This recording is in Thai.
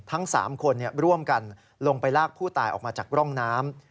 ทั้ง๓คนร่วมกันลงไปลากผู้ตายออกมาจากร่องน้ำ